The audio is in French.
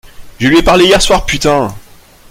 Je lui ai parlé hier soir, putain !